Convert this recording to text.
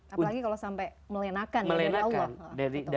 apalagi kalau sampai melenakan ya dari allah